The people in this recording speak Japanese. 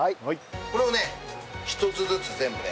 これをね一つずつ全部ね